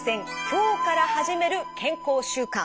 きょうから始める健康習慣」。